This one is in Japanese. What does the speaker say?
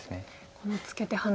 このツケてハネ。